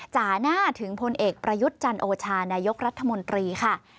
จ่าหน้าถึงพลเอกประยุทธ์จันโอชานายกรัฐมนตรีค่ะ